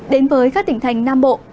đến với các tỉnh thành nam bộ